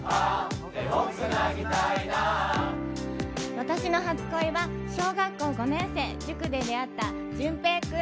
私の初恋は小学校５年生、塾で出会ったジュンペイ君。